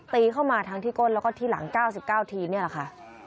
ตีเข้ามาทั้งที่ก้นแล้วก็ที่หลัง๙๙ทีนี่แหละค่ะ